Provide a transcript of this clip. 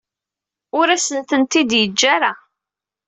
Ur asent-tent-id-yeǧǧa ara.